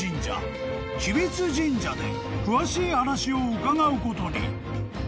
［詳しい話を伺うことに］